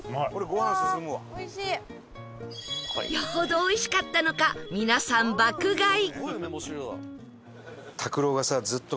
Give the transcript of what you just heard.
よほどおいしかったのか皆さん爆買い